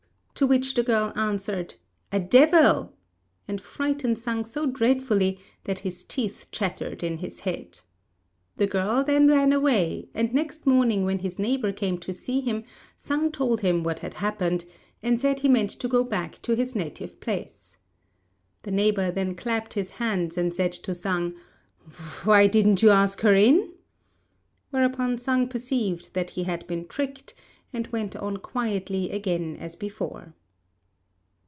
to which the girl answered, "A devil!" and frightened Sang so dreadfully that his teeth chattered in his head. The girl then ran away, and next morning when his neighbour came to see him, Sang told him what had happened, and said he meant to go back to his native place. The neighbour then clapped his hands, and said to Sang, "Why didn't you ask her in?" Whereupon Sang perceived that he had been tricked, and went on quietly again as before.